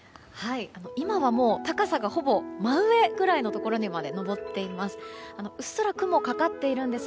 今は高さがほぼ真上ぐらいのところまで上っています。